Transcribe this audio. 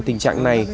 tình trạng này